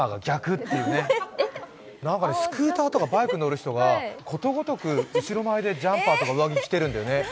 スクーターとかバイクに乗る人が、ことごとく後ろ前でジャンパーとか上着着てるんだよね。